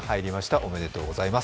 おめでとうございます。